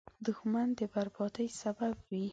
دښمن د بربادۍ سبب وي